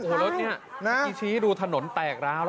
ถูกรถนี่ดูถนนแตกแล้ว